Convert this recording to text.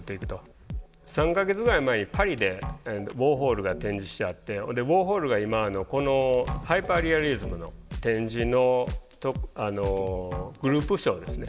３か月ぐらい前にパリでウォーホルが展示してあってウォーホルが今このハイパーリアリズムの展示のグループショーですね。